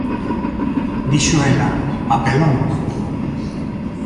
Dixo ela: ¡Papelón!